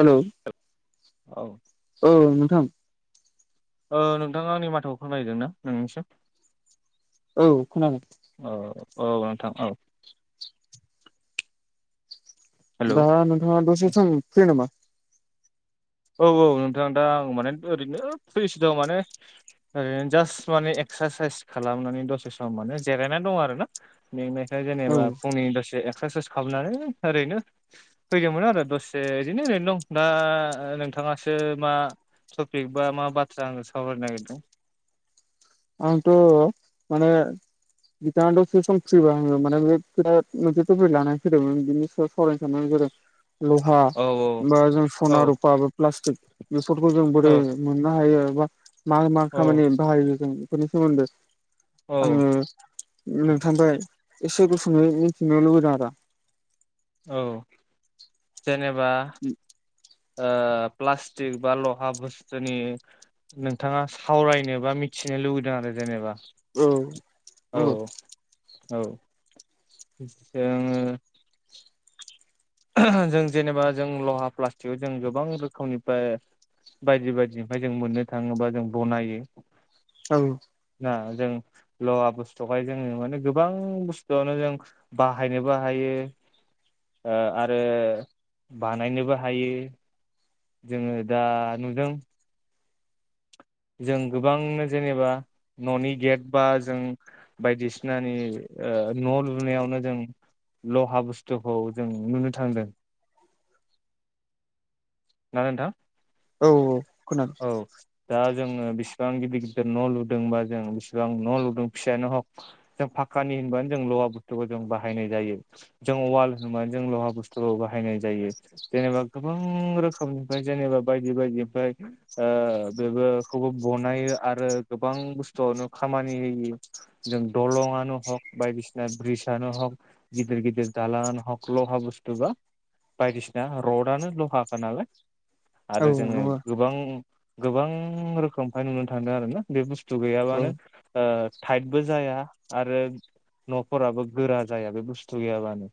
हेल' औ औ नोंथां ओ नोंथाङा आंनि माथोखौ खोनाहैदोंना नोंनिसिम औ खोनादों औ औ नोंथां औ हेल' दा नोंथाङा दसे सम फ्रि नामा? औ औ नोंथां दा आं माने ओरैनो फ्रिसो दं माने ओरैनो जास्ट माने एक्सारसाइस खालामनानै दसे सम माने जिरायनानै दं आरोना मेंनाय औ जेनेबा फुंनि दसे एक्सारसाइस खालामनानै ओरैनो फैदोंमोन आरो दसे इदिनो ओरैनो दं दा नोंथाङासो मा टपिक बा मा बाथ्रा आङो सावरायनो नागिरदों? आंथ' माने बिथाङा दसे सम फ्रिबा आङो माने बे खोथा मोनसे टपिक लानानै फैदोंमोन बिनि सायाव सावरायनो सान [unintelligible] ल'हा औ औ बा जों सना औ रुफा बा प्लास्टिक बेफोरखौ जों बोरै औ मोननो हायो बा मा मा औ खामानि बाहायो जों बेफोरनि सोमोन्दै औ आङो नोंथांफ्राय एसे गुसुङै मिथिनो लुबैदों आरो औ जेनेबा ओ प्लास्टिक बा लहा बस्थुनि नोंथाङा सावरायनो बा मिथिनो लुुबैदों आरो जेनेबा औ औ नंगौ औ आङो जों जेनेबा जों लहा प्लास्टिकआव जों गोबां रोखोमनिफ्राय बायदि बायदिफ्राय जों मोननो थाङोबा जों बनायो। औ दा जों लहा बुस्थुखाय जोङो माने गोबां बुस्थुआवनो जों बाहायनोबो हायो। ओ आरो बानायनोबो हायो। जोङो दा नुदों। जों गोबांनो जेनेबा न'नि गेट बा जों बायदिसिनानि ओ न' लुनायावनो जों लहा बुस्थुखौ जों नुनो थांदों ना नोंथां औ खोनादों औ दा जोङो बिसि बां गिदिर गिदिर न' लुदोंबा जों बिसेबां न' लुदों फिसायानो हक जों फाखकानि होनबानो जों ल लहा बुस्थुखौ जों बाहायनाय जायो। जों वाल होनानै जों लहा बुस्थुखौ बाहायनाय जायो जेनेबा गोबां रोखोम निफ्राय जेनेबा बायदि बायदिनिफ्राय ओ बेखौबो बनायो आरो गोबां गोबां बुस्थुवनो खामानि होयो जों दलङानो हक बायदिसिना ब्रिजआनो हक गिदिर गिदिर दालाङानो हक लहा बुस्थु बा बायदिसिना रडआनो लहाखा नालाय औ आरो जोङो नंगौ गोबां गोबां रोखोमहाय नुनो थांदों आरोना बे बुस्थु थु औ गैयाबानो टाइटबो जाया आरो न'फोराबो गोरा जाया बे बुस्थु गैयाबानो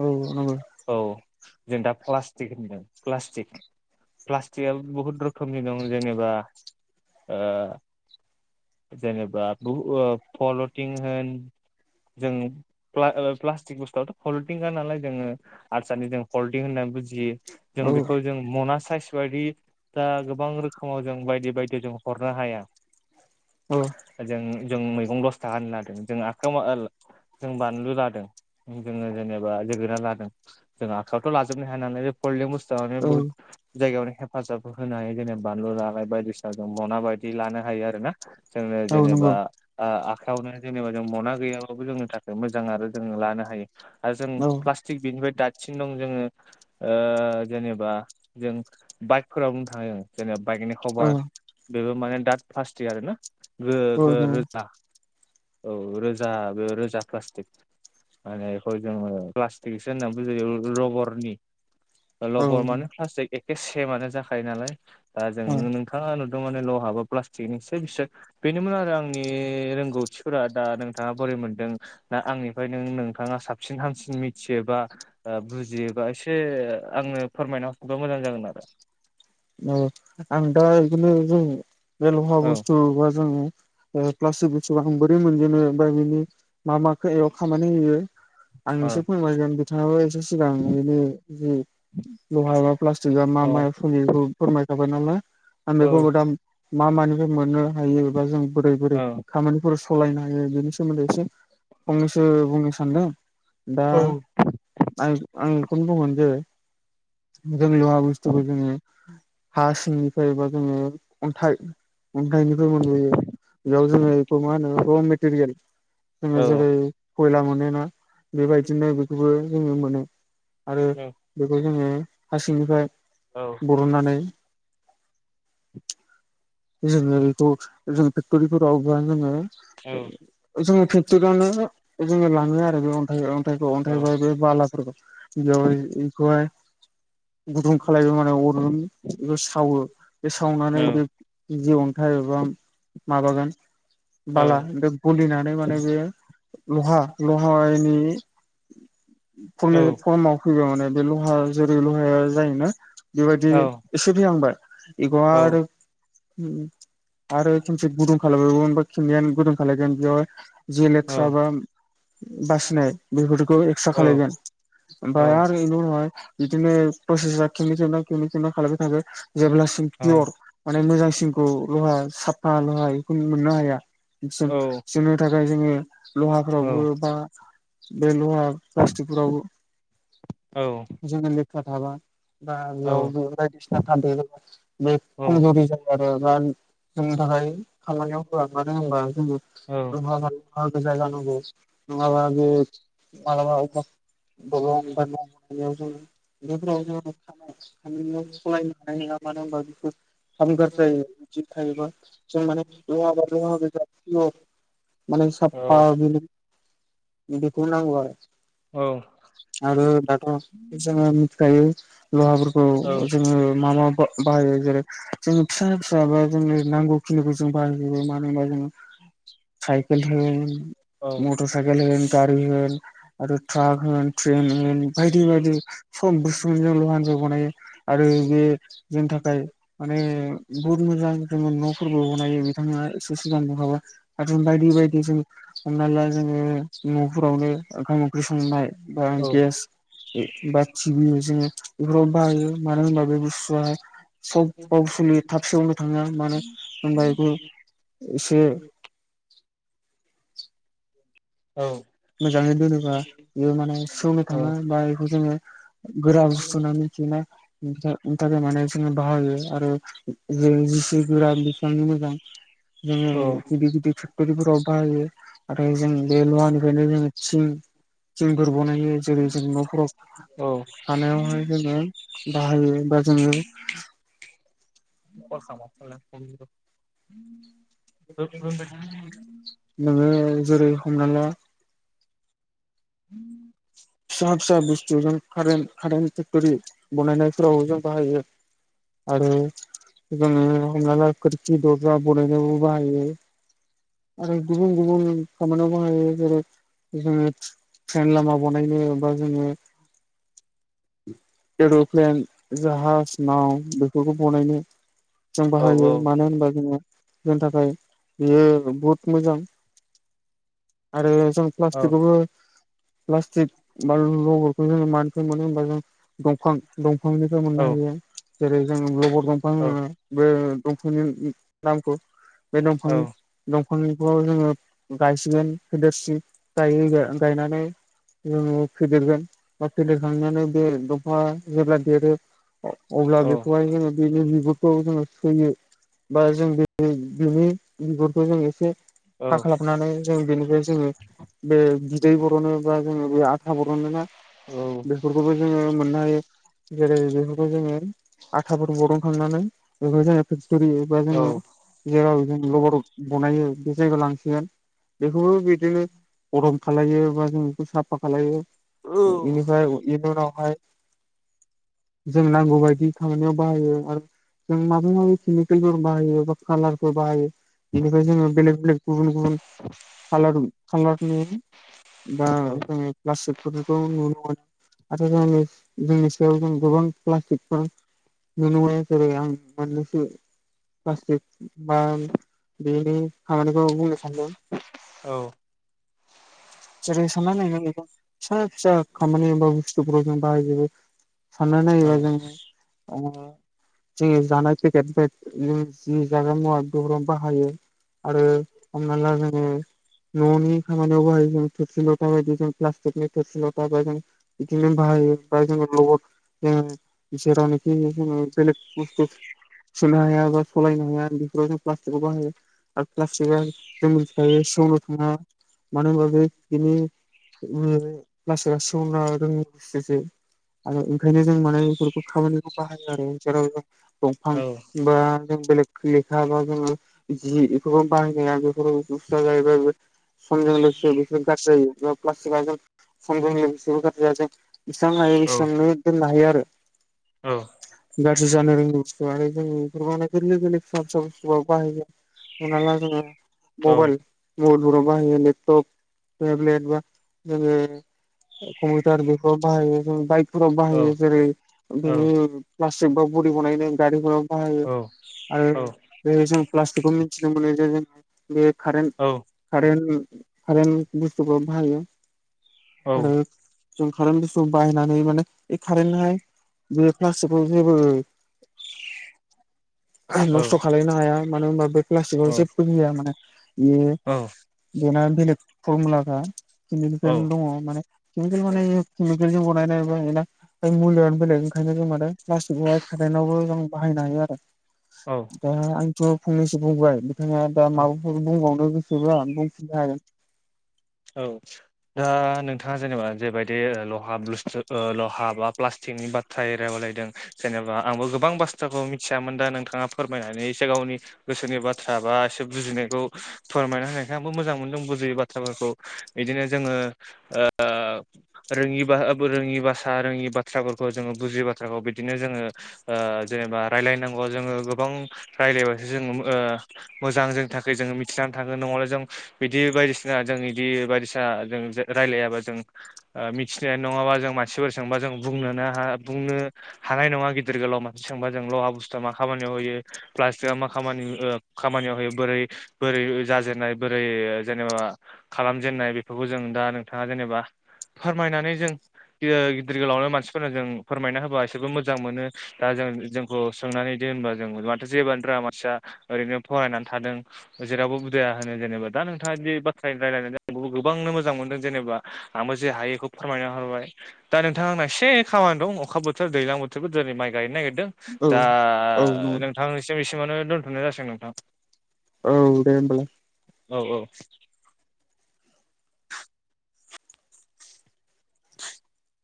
औ नंगौ औ जों दा प्लास्टिक होनदों प्लास्टिक प्लास्टिकआबो बहुत रोखोमनि दं जेनेबा ओ जेनेबा बु ओ फल'टिं होन जों प्ला ओ प्लास्टिक बुस्थुआथ' फलटिं नालाय जोङो हारसानि जों पलटिं होननानै बुजियो जों औ बेखौ अना साइस बायदि दा गोबां रोखोमाव जों बायदि बायदि जों हरनो हाया। औ जों जों मैगं दस थाखा होन लादों जों आखायाव जों बानलु लादों जोङो जेनेबा जोगोना लादों जों आखायावथ' लाजोबनो हाया नाल बे फलदों बुस्थुवनो औ बहुत जायगायावनो हेफाजाब होनो हायो जेने बानलु रालाय बायदिसिना जों मना बायदि लानो हायो आरो ना जोंनो औ नंगौ जेनेबा ओ आ खावनो जेनेबा जों मना गैयाबाबो जोंनि थाखाय मोजां आरो जोङो लानो हायो। आरो जों औ प्लास्टिक बेनिफ्राय दासिन दं जोङो जेनेबा जों बाइकफोराव बुंनो थाङो जों जेनेबा बाइकनि खभार बेबो माने दाथ फार्स्ट आरोना गो औ गो नंगौ रोजा औ रोजा बे रोजा प्लास्टिक माने बेखौ जोङो प्लास्टिकसो होननानै बुजायो रबरनि औ रबर मानो एखे सेमानो जाखायो नालाय दा जों औ नोंथाङा लहाबो बिस बेनोमोन आरो आंनि रोंगौथिफोरा दा नोंथाङा बारै मोनदों ना आंनिफ्राय न नोंथाङा साबसिन हामसिन मिथियोबा बुजियोबा एसे आंनो फोरमायना हरबा मोजां जागोन आरो औ आं दा बिदिनो जों बे लहा औ बुस्थु बा जोङो प्लास्टिक बस्थुखौ जों बोरै मोनजेनो बा ओमफ्राय बिनि मा माखौ एयाव खामानि होयो आं एसे औ फोरमायगोन बिथाङाबो एसे सिगां बेदिनो जों लहायाव प्लास्टिक आ मा मा औ फैयो फोरमायखाबाय नालाय आं औ बेखौबो दा मा मानिफ्राय मोननो हायो एबा जों बोरै औ बोरै खामानिफोर सालायनो हायो बेनि सोमोन्दै एसे फंनैसो बुंनो सानदों दा औ आं आं बेखौनो बुङो जो जों लहा बुस्थुखौ जोङो हा सिंनिफ्राय बा जोङो अन्थाइ अन्थाइनिफ्राय मोनबोयो बेयाव जोङो बेखौ मा होनो र मेटेरियेल औ जोङो जेरै खयला मोनोना बेबायदिनो बेखौबो जोङो मोनो आरो औ बेखौ जोङो हारसिंनिफ्राय बरननानै जोङोखौ जों फेक्ट'रिफोरावबा जोङो औ जोङो फेक्टरियावनो जोङो लाङो आरो बे अन्थाइ अन्थाइखौ अन्थाइ बा बे बालाफोरखौ जय खौहाय गुदुं खालामलबाय माने अरुम बेखौ सावो बे सावनानै बे जि अन्थाइ एबा माबागोन औ बाला बे गलिनानै माने बे लहा लहानि औ फरमाव फैबा माने बे लहा जेरै लहाया जायोना बेबायदि औ एसे फैहांबाय एखौ आरो आरो खनसे गुदुं खालामलगोना खननैयानो गुदुं खालामलगोन बेयाव जि लेथ्रा बा बासिनाय बेफोरखौ एक्सथ्रा खालायगोन ओमफाय आरो इनि उनावहाय बिदिनो प्रसेसा केकेल न केमिकेल ना खालामबाय थाबो जेब्लासिम पियर माने मोजां खौ लहा साफा लहा बेखौ मोननो हाया जोंनो थाखाय जोङो लहाफ्रावबो बा बे लहा प्लास्टिकफोराव जोङो लेखा थाबा बा बेयाव बायदिसिना थान्दै बे खमजुरि जायो आरो बा जोंनि थाखाय खामानियाव होआ मानो होनबा जायगा नागौ नङाबा आ मालाबा मा बेफोराव जोङाम सलायनो हानाय नाया मानो होनबा बेफोर [unintelligible] माने साबपा बि बिदिखौ नांगौ आरो दाथ मिथिखायो लहाफोरखौ जोङो मा मा बाहायो? जेरै जों फिसा फिसाबा जोंनो नांगौखिनिखौ जों बाहायजोबो मानो होनबा जोङो साइकेल होन मटर साइकेल होन गारि होन आरो ट्राक होन ट्रेन होन बायदि बायदि सम बुस्सु जल हान्जा बानायो। आरो बे जोंनि थाखाय माने बुहुत मोजां जोङो न फोरबो बनायो बिथाङा एसे सिगां बहाबा आरो बायदि बायदि जों हमना ला जोङो न'फोरावनो ओंखाम ओंख्रि संनाय बा गेस बा टिभि जोङो बेफोराव बाहायो मानो होनबा बेफोर सबस [unintelligible] थाबसेयावनो थाङा मानो होनबा बेखौ एसे मोजाङै दोनोबा बियो माने सोंनो थाङो बा बेखौ जोङो गोरा बुस्थु मिथिनो थाखाय माने जो बाहायो आरो जों जिस गोरा बेसेबांनो मोजां जोङो बिदि फोराव बाहायो आरो जों बे लहानिफ्रायनो जोङो थिं जोंफोर बनायो जेरै जों नखराव खानायावनो जोङो बाहाय खाम नोङो जेरै हमना ला [inaudible] फिसा फिसा बुस्थु जों कारेन कारेन्ट फेक्टरि बानायनायफोरावबो जों बाहायो। आरो जोङो हमनाला खोरखि दरजा बनायनायावबो बाहायो। आरो गुबुन गुबुन खामानियाव बाहायो जेरै जोङो ट्रेन लामा बनायनो बा जोङो एर'प्लेन जाहाज नाव बेफोरखौ बनायनो जों बाहायो मानो होनबा जोङो जोंनि थाखाय बेयो बहुत मोजां आरो जों औ प्लास्टिकखौबो प्लास्टिक बा लगरखौ जोङो मानिफ्राय मोनो होनबा जों दंफांं दं दफांनिफ्राय मोननो हायो जेरै जों लबर दंफां मोनो बे दंफांनि नामखौ बे दंफांनि दं [unintelligible] जोङो गायसिगोन फेदेरसिगोन गायो गायनानै जोङो फेदेरगोन बा फेदेरखांनानै बे दंफाङा जेब्ला देरो अब्ला बेखौहाय जोङो बिनि बिगुरखौ जोङो सोयो बा जों बे बेनि बिगुरखौ जों एसे हाख्लाबनानै जों बेनिफ्राय जोङो बे बिदै बर'नो। बा जोङो बे आथा बरगोनो ना बेफोरखौबो जोङो मोननो हायो। जेरै बेफोरखौ जोङो आथाफोर बरनखांनानै बेखौ जोङो [unintelligible] एबा जोङो जेराव जों लबर बनायो बे जायगायाव लांसिगोन बेखौबो बिदिनो गरम खालायो बा जों बेखौ साफा खालायो। इनिफ्राय इनि उनावहाय जों नांगौ बायदि खामानियाव बाहायो आरो। जों माबा माबि केमिकेलफोर बाहायो बा कालारफोर बाहायो। बेनिफ्राय जोङो बेलेक बेलेक गुबुन गुबुन खालार खालारनि दा्ला [inaudible] नुनो मोनो आरो जों जोंनि सायाव जों गोबां प्लाटिकफोर नुनो [unintelligible] आं मोननैसो फ्लास्टिक बा बिनि खामानि औ बुंनो सानदों जेरै सानना नाय नों बेखौ फिसा फिसा खामानि एबा बुस्थुफोराव जों बाहायजोबो साननानै नायोबा जोङो ओ जोङो जानाय पेकेट जि जाग्रा मुवा बेराव बाहायो आरो हमना ला जोङो न'नि खामानियाव बाहायो जों थोरसि लथा बायदि जों प्लास्टिकनि थोरसि लथा बा जों बिदिनो बाहायो बा जोङो लबर जाहा जेरावनाखि जोङो बेलग बुस्थु सुनो हाया बा सालायनो हाया बेफोराव जों प्लास्टिकखौ बाहायो आरो प्लास्टिकआ जों मिथिखायो सेवनो थाङा मानो होनबा बै बिनि उन [unintelligible] आरो ओंखायनो जों माने बेफोरखौ खामानिखौ बाहायो आरो जेराव दंफां बा जों बेलेग लेखाबा जोङो जि बेफोरखौ बाहायनो हाया बेफोर [unintelligible] जाहैबाय समजों लोगोसे बिसोरबो गाज्रि जायो प्लास्टिकआ समजों लोगोसे लोगोसेबो गाज्रि जाया जों एसेबां हायो एसबांनो दोननो हायो आरो गाज्रि जानो रोंगौ आरो जों बेफोर माने गोरलै गोरलै फिसा फिसा फिसौबा बाहायोगोन हमनाला जोङो मबाइल मबाइलफोराव बाहायो लेपट'प टेब्लेट बा जोङो कम्पिउटार बेफ्राव बाहायो जों बाइक फोराव बाहायो जेरै बेनि प्लास्टिक बा बदि बनायनो गारिफोराव बाहायो आरो बे जों प्लास्टिकखौ जों मिथिनो मोनो जे जों बे कारेन कारेन कारेन बुस्थुखौ बाहायो आरो जों कारेन बुस्थुखौ बाहायनानै माने बे खारेनाहाय बे प्लास्टिकखौ जेबो नस्थ' खालायनो हाया मानो होमबा बे प्लास्टिकआव जेबो गैया माने बे बेना बेलेक फरमुलाफ्रा केमिकेल दङ माने केमिकेल माने केमिकेलजों बनायनाया एबा बे मलिआनो बेलेग ओंखायनो जों माने प्लास्टिकखौहाय कारेन्टआवबो जों बाहायनो हायो आरो दा आंथ' फंनैसो बुंबाय बिथाङा दा औ माबाफोर बुंबावनो गोसोबा बुंफिननो हागोन औ दा नोंथाङा जेनेबा जेबायदि लहा लहा बा प्लास्टिकनि बाथ्रा रायायलायदों जेनेबा आंबो गोबां बाथ्राखौ मिथियामोन दा नोंथाङा फोरमायनानै एसे गावनि गोसोनि बाथ्रा बा एसे बु बुजिनायखौ फोरमायना होनायखाय आंबो मोजां मोनदों बुजियै बाथ्राफोरखौ बिदिनो जोङो रोङि रोङि भाषा रोङि बाथ्राफोरखौ जोङो बुजियो बाथ्राखौ बिदिनो जोङो जेनेबा रायलायनांगौ जोङो गोबां रायलायबासो जों मोजां जोंनि थाखाय जोङो मिथिनानै थागोन नङाबोला जों बिदि बायदिसिना जोंनि बि बायदिसिना जों रायलायाबा जों मिथिनाय नङाबा जों मानसिफोर सोंबा जों बुंनो बुंनो हानाय नङा गेदेर गोलाव मानसि सोंबा जों लहा बुुसतुआ मा खामानियाव होयो प्लासटिक आ मा खामनि ओ खामानियाव होयो बोरै बोरै जाजेननाय बोरै जेनेबा खालामजेननाय बेफोरखौ जों दा नोंथाङा जेनेबा फोरमायनानै जों गिदिर गोलावनो मानसिफोरनो जों फोरमायना होबा एसेबो मोजां मोनो दा जों जोंखौ सोंनानै होनबा जों माथो जेबोआनो रोङा मानसिया ओरैनो फरायनानै थादों जेरावबो उदाया होनो जेनेबा दा नोंथा बिदि बाथ्रा [unintelligible] गोबांनो मोजां मोनदों जेनेबा आंबो जे हायो बेखौ फोरमायना होबाय दा नोंथां आंना एसे खामानि दं अखा बोथोर दैजां बोथोरबो दिनै माइ गायनो नागिरदों औ दा औ नंगौ नोंथांनिसिम एसेमावनो दोन्थ'नाय जासिगोन नोंथां औ दे होमबालाय औ औ